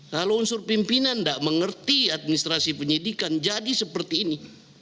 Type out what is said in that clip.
kalau unsur pimpinan tidak mengerti administrasi penyidikan jadi seperti ini